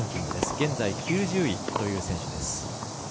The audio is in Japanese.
現在９０位という選手です。